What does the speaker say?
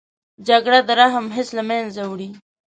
جګړه د رحم حس له منځه وړي